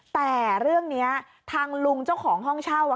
แต่เรื่องนี้ทางลุงเจ้าของห้องเช่า